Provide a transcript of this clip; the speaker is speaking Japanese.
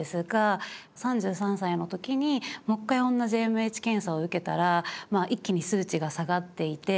３３歳の時にもう一回同じＡＭＨ検査を受けたらまあ一気に数値が下がっていて。